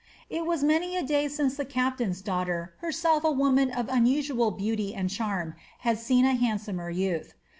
It was many a day since the captain's daughter, herself a woman of unusual beauty and charm, had seen a handsomer youth.